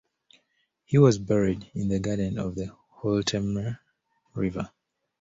He was buried in his garden on the Holtemme river.